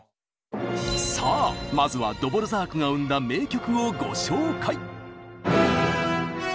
さあまずはドボルザークが生んだ名曲をご紹介！